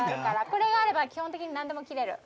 これがあれば基本的になんでも切れる。